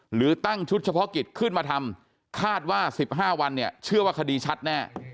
หรือตั้งชุดเฉพาะกิจขึ้นมาทำคาดว่า๑๕วันเนี่ยเชื่อว่าคดีชัดแน่